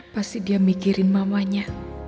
pasti dia mikirin mamanya